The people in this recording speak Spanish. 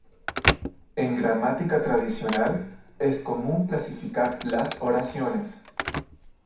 En gramática tradicional es común clasificar las oraciones.